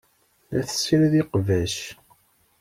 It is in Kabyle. La tessirid iqbac.